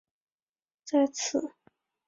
因此在新的文献中它往往与隼雕属合并。